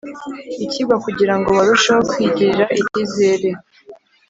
ikigwa kugira ngo barusheho kwigirira ikizere